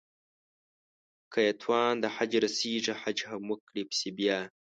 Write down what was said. که يې توان د حج رسېږي حج هم وکړي پسې بيا